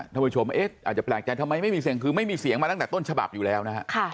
ท่านผู้ชมอาจจะแปลกใจทำไมไม่มีเสียงคือไม่มีเสียงมาตั้งแต่ต้นฉบับอยู่แล้วนะฮะ